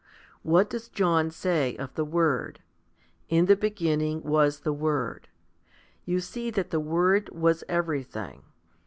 What does John say of the Word? In the beginning was the Word. 2 You see that the Word was everything.